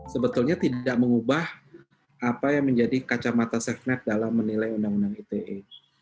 sebetulnya tidak mengubah apa yang menjadi kacamata safenet dalam menilai undang undang ite